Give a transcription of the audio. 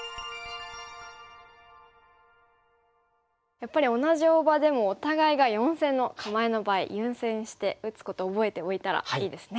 やっぱり同じ大場でもお互いが四線の構えの場合優先して打つことを覚えておいたらいいですね。